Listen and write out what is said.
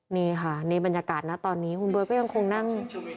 นี่ค่ะนี่บรรยากาศนะตอนนี้คุณเบิร์ตก็ยังคงนั่ง